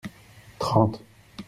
trente.